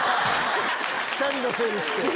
チャリのせいにして。